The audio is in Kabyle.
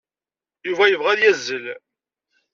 Yuba yebɣa ad yazzel.